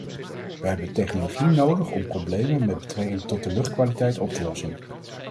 Wij hebben technologie nodig om problemen met betrekking tot de luchtkwaliteit op te lossen.